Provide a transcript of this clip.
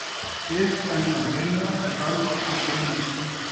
ݙیکھ پرائیاں ڈھیریاں ، دھتالو اکھیں پھیریاں